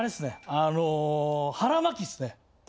あの腹巻っすね。